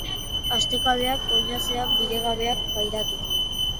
Atsekabeak, oinazeak, bidegabeak pairatu.